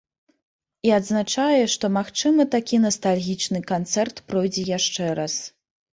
І адзначае, што магчыма, такі настальгічны канцэрт пройдзе яшчэ раз.